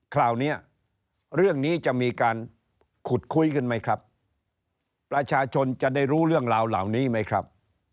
คราวนี้เรื่องนี้จะมีการขุดคุยกันไหมครับประชาชนจะได้รู้เรื่องราวเหล่านี้ไหมครับ